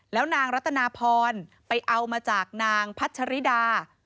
แล้วนางรัตนาพรไปเอามาจากนางพัชริดา